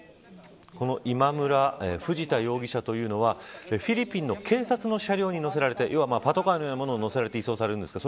この今村、藤田容疑者というのはフィリピンの警察の車両に乗せられて要はパトカーのようなものに乗せられて移送されるんですか。